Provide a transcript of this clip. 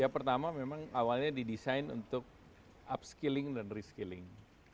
pertama memang awalnya didesain untuk upskilling dan reskilling